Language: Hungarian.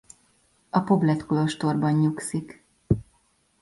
A Poblet-kolostorban nyugszik.